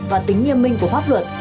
và tính nghiêm minh của pháp luật